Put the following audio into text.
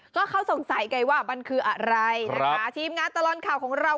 ก็เขาสงสัยไงว่ามันคืออะไรนะคะทีมงานตลอดข่าวของเรา